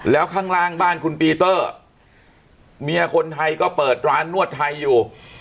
แล้วข้างล่างบ้านคุณปีเตอร์เมียคนไทยก็เปิดร้านนวดไทยอยู่